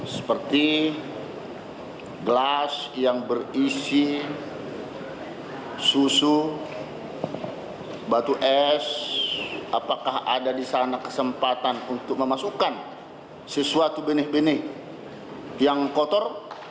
seperti gelas yang berisi susu batu es apakah ada di sana kesempatan untuk memasukkan sesuatu benih benih yang kotor